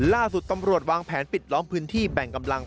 ล่าสุดตำรวจวางแผนปิดล้อมพื้นที่แบ่งกำลัง